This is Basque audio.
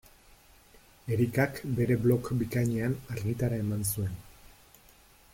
Erikak bere blog bikainean argitara eman zuen.